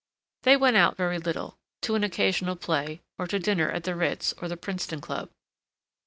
They went out very little: to an occasional play, or to dinner at the Ritz or the Princeton Club.